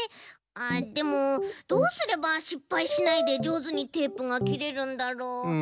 あでもどうすればしっぱいしないでじょうずにテープがきれるんだろう。